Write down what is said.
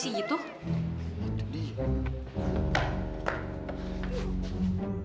kita semua mau keluar